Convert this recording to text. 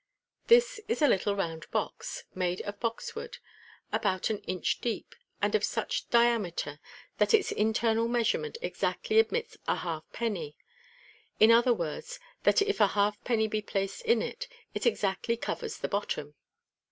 This is a little round box, made of boxwood, about an inch deep, and of such dia meter that its internal measurement exactly admits a halfpenny ; iri other words, that if a halfpenny be placed in it, it exactly covers the 188 MODERN MAGIC. bottom.